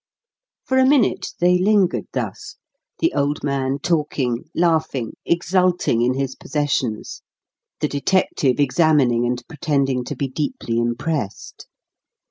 For a minute they lingered thus, the old man talking, laughing, exulting in his possessions, the detective examining and pretending to be deeply impressed.